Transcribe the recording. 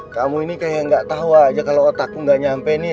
kamu ini kayak gak tau aja kalo otakku gak nyampe nis